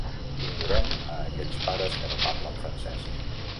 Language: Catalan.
Ignorem a aquells pares que no parlen francès.